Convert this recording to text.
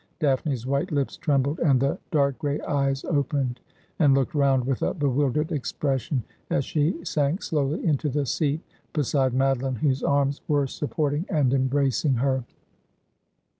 Daphne's white lips trembled, and the dark gray eyes opened and looked round with a bewildered expression, as she sank slowly into the seat beside Madoline, whose arms were supporting and embracing her.